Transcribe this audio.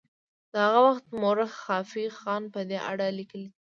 د هغه وخت مورخ خافي خان په دې اړه لیکلي دي.